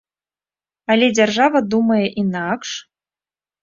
Але дзяржава думае інакш.